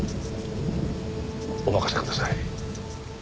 お任せください。